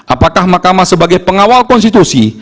apakah mahkamah sebagai pengawal konstitusi